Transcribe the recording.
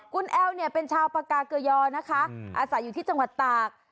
คุณแอลเนี่ยเป็นชาวปากาเกยอนะคะอาศัยอยู่ที่จังหวัดตาก